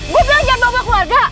gue bilang jangan bobok keluarga